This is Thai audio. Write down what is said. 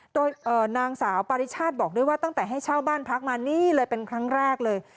โดยนางสาวปาริชาติบอกด้วยว่าตั้งแต่ให้เช่าบ้านพักมานี่เลยเป็นครั้งแรกเลย